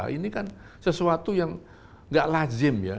ini kan sesuatu yang nggak lazim ya